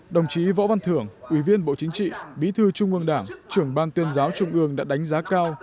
đồng chí võ văn thưởng ủy viên bộ chính trị bí thư trung ương đảng trưởng ban tuyên giáo trung ương đã đánh giá cao